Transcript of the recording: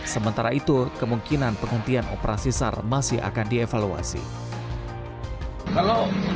sementara itu kemungkinan untuk pencarian yang dilakukan di pulau paman tawang